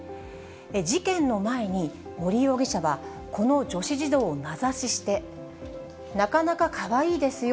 事件の前に、森容疑者はこの女子児童を名指しして、なかなかかわいいですよ。